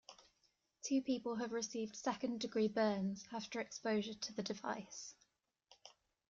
Two people have received second degree burns after exposure to the device.